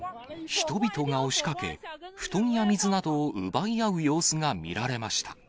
人々が押しかけ、布団や水などを奪い合う様子が見られました。